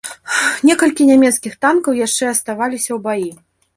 Некалькі нямецкіх танкаў яшчэ аставаліся ў баі.